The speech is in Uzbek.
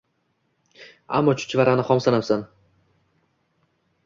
Ammo chuchvarani xom sanabman